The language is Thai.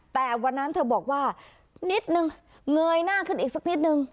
แต่วันนั้นเธอบอกว่านิดนึงเงยหน้าขึ้นอีกสักนิดนึง